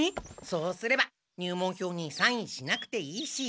そうすれば入門票にサインしなくていいし。